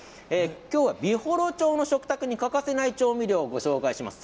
今日は美幌町の食卓に欠かせない調味料をご紹介します。